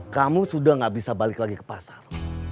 kamu sudah gak bisa balik lagi ke pasar